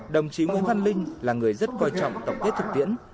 đồng chí nguyễn văn linh là người rất coi trọng tổng kết thực tiễn